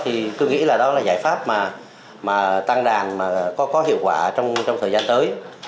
thì tôi nghĩ là đó là giải pháp mà tăng đàn mà có hiệu quả trong thời gian tới